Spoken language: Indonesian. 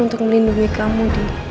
untuk melindungi kamu